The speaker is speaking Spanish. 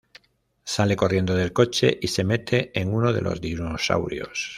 Sale corriendo del coche y se mete en uno de los dinosaurios.